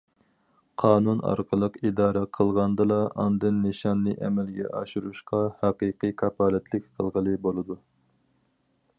قانۇن ئارقىلىق ئىدارە قىلىنغاندىلا ئاندىن نىشاننى ئەمەلگە ئاشۇرۇشقا ھەقىقىي كاپالەتلىك قىلغىلى بولىدۇ.